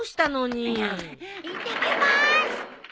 いってきまーす。